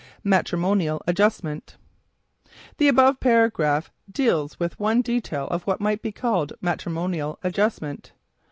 MATRIMONIAL ADJUSTMENT The above paragraph deals with one detail of what might be called "matrimonial adjustment."